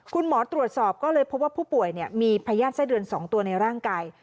คุณหมอตรวจสอบก็เลยพบว่าผู้ป่วยมีพญาติไส้เดือน๒ตัวในร่างกาย